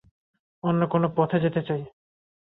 অন্য কোনো পথে যেতে চাই।